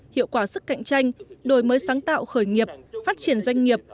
hiệu quả sức cạnh tranh đổi mới sáng tạo khởi nghiệp phát triển doanh nghiệp